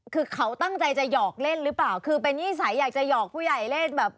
คือเขาตั้งใจจะหยอกเล่นหรือเปล่าคือเป็นนิสัยอยากจะหอกผู้ใหญ่เล่นแบบ